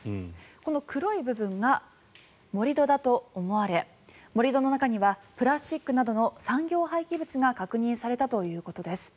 この黒い部分が盛り土だと思われ盛り土の中にはプラスチックなどの産業廃棄物が確認されたということです。